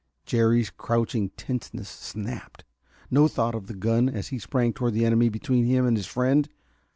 Jerry's crouching tenseness snapped. No thought of the gun as he sprang toward the enemy between him and his friend.